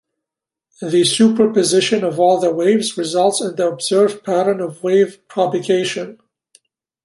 The superposition of all the waves results in the observed pattern of wave propagation.